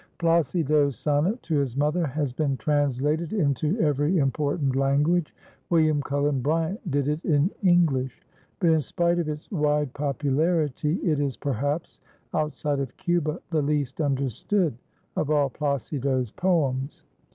Plácido's sonnet to his mother has been translated into every important language; William Cullen Bryant did it in English; but in spite of its wide popularity, it is, perhaps, outside of Cuba the least understood of all Plácido's poems.